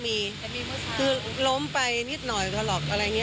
ใช่เหมือนวันทางมันแคบด้วยอะไรอย่างนี้